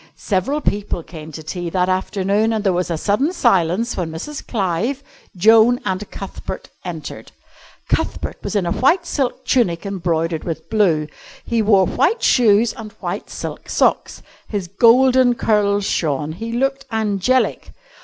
Several people came to tea that afternoon, and there was a sudden silence when Mrs. Clive, Joan, and Cuthbert entered. Cuthbert was in a white silk tunic embroidered with blue, he wore white shoes and white silk socks. His golden curls shone. He looked angelic.